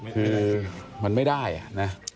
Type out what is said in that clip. คือมันไม่ได้นะ